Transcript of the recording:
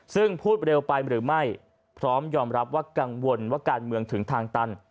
ซึ่งพูดเร็วไปหรือไม่พร้อมยอมรับว่ากังวลว่าการเมืองถึงทางตัน